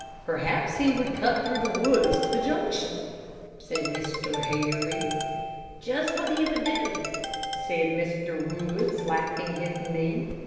"Perhaps he would cut through the woods to the Junction," said Mr. Harry. "Just what he would do," said Mr. Wood, slapping his knee.